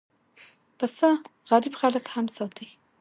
پسه غریب خلک هم ساتي.